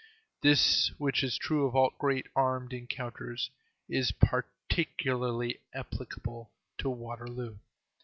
This, which is true of all great armed encounters, is particularly applicable to Waterloo.